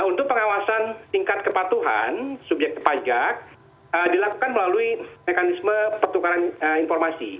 untuk pengawasan tingkat kepatuhan subjek pajak dilakukan melalui mekanisme pertukaran informasi